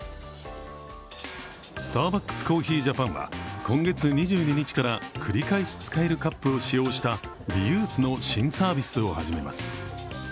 スターバックスコーヒージャパンは今月２２日から繰り返し使えるカップを使用したリユースの新サービスを始めます。